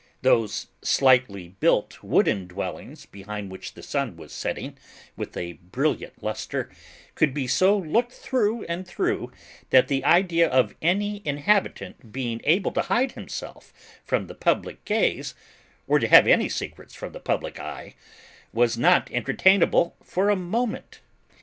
Those slightly built wooden dwellings behind which the sun was setting with a brilliant lustre, could be so looked through and through, that the idea of any inhabitant being able to hide himself from the public gaze, or to have any secrets from the public eye, was not entertainable for a moment.